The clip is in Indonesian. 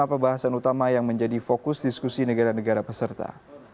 apa pembahasan utama yang menjadi fokus diskusi negara negara peserta